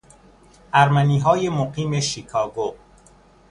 ارمنیهای مقیم شیکاگو